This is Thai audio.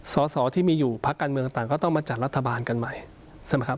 สอสอที่มีอยู่พักการเมืองต่างก็ต้องมาจัดรัฐบาลกันใหม่ใช่ไหมครับ